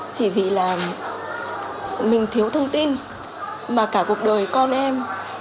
chỉ vì là mình thiếu thông tin mà cả cuộc đời con em